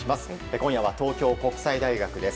今夜は東京国際大学です。